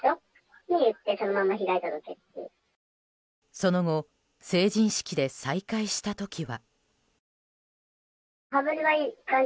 その後成人式で再会した時は。